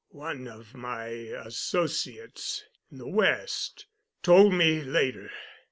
One of my associates—in the West—told me later.